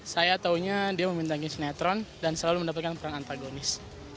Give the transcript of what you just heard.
saya taunya dia memenangi sinetron dan selalu mendapatkan peran antagonis